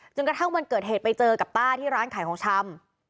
กระทั่งวันเกิดเหตุไปเจอกับต้าที่ร้านขายของชำ